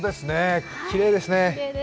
きれいですね。